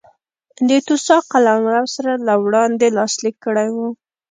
د توسا قلمرو سره له وړاندې لاسلیک کړی و.